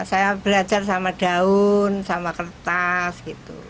saya belajar sama daun sama kertas gitu